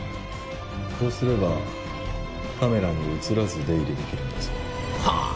こうすればカメラに写らず出入りできるんですよはあ